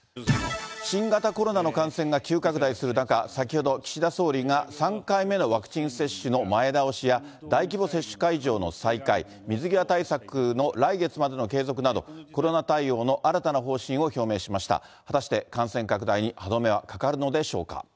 新型コロナの感染が急拡大する中、先ほど、岸田総理が３回目のワクチン接種の前倒しや、大規模接種会場の再開、水際対策の来月までの継続など、コロナ対応の新たな方針を表明しました。